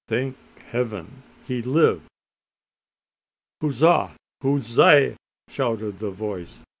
Thank Heaven! he lived! "Hooza! hoozay!" shouted the voice.